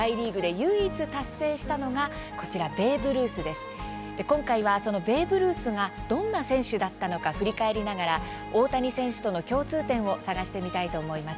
今回はそのベーブ・ルースがどんな選手だったのか振り返りながら大谷選手との共通点を探してみたいと思います。